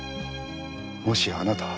もしやあなたは。